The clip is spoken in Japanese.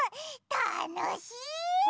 たのしい！